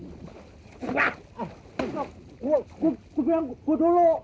gua bilang gua dulu